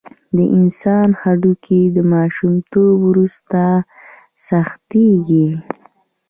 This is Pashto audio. د انسان هډوکي د ماشومتوب وروسته سختېږي.